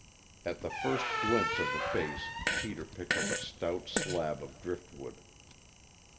At the first glimpse of the face Peter picked up a stout slab of driftwood.